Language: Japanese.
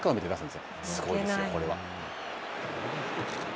すごいですよ、これは。